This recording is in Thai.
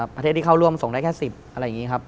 ประเทศที่เข้าร่วมส่งได้แค่๑๐อะไรอย่างนี้ครับ